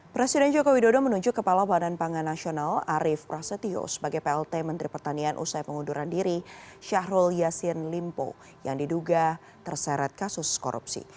presiden joko widodo menunjuk kepala badan pangan nasional arief prasetyo sebagai plt menteri pertanian usai pengunduran diri syahrul yassin limpo yang diduga terseret kasus korupsi